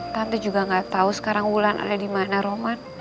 tante juga gak tau sekarang wulan ada dimana roman